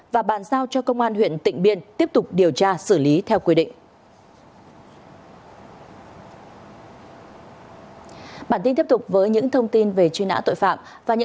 và bàn giao cho công an huyện tịnh biên tiếp tục điều tra xử lý theo quy định